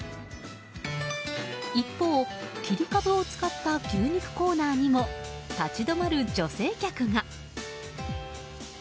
一方、切り株を使った牛肉コーナーにも立ち止まる女性客が。